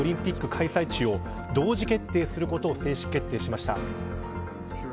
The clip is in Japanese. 開催地を同時決定することを正式決定しました。